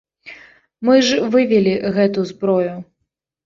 Мы ж вывелі гэту зброю!